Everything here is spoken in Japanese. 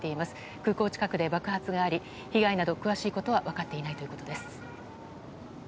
空港近くで爆発があり被害など詳しいことは分かっていないということです。